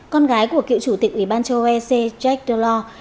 con gái của cựu chủ tịch ủy ban châu âu ec jacques delors